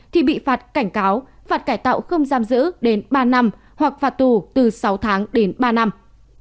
thì bị phạt cảnh cáo phạt cải tạo không giam giữ đến ba năm hoặc phạt tù từ sáu tháng đến ba năm